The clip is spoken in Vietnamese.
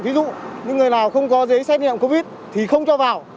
ví dụ những người nào không có giấy xét nghiệm covid thì không cho vào